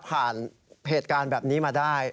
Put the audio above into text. ผ่านเหตุการณ์แบบนี้มาได้